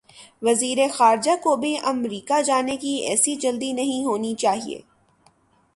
وزیر خارجہ کو بھی امریکہ جانے کی ایسی جلدی نہیں ہونی چاہیے۔